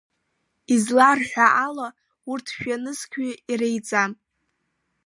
Изларҳәо ала, урҭ жәанызқьҩык иреиҵам.